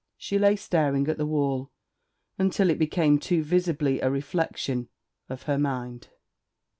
She lay staring at the wall until it became too visibly a reflection of her mind.